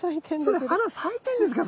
それ咲いてんですか？